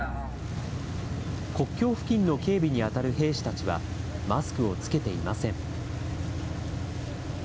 国境付近の警備に当たる兵士たちは、マスクを着けていません。